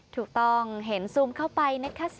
ถูกต้องเห็นซูมเข้ามา